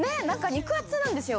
肉厚なんですよ。